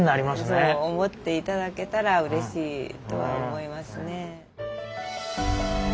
そう思って頂けたらうれしいとは思いますね。